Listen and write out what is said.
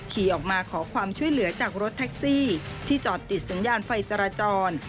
ขี่ออกมาขอความช่วยเหลือจากรถแท็กซี่ที่จอดติดสัญญาณไฟจราจร